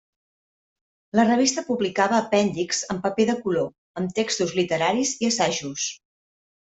La revista publicava apèndixs en paper de color, amb textos literaris i assajos.